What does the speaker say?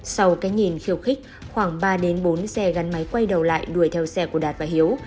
sau cái nhìn khiêu khích khoảng ba bốn xe gắn máy quay đầu lại đuổi theo xe của đạt và hiếu